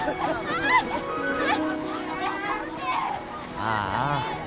ああ。